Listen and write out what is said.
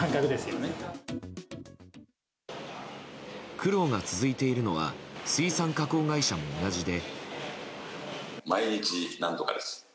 苦労が続いているのは水産加工会社も同じで。